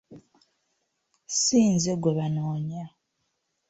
Si nze gwe banoonya!